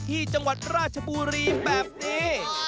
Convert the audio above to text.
ที่จังหวัดราชบุรีแบบนี้